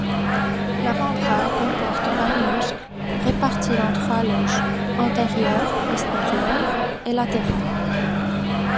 L'avant-bras comporte vingt muscles, répartis dans trois loges, antérieure, postérieure et latérale.